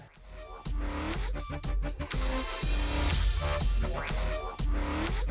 silakan tonton video ini di youtube